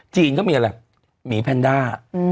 จีนก็มีอะไรหมีแพนด้า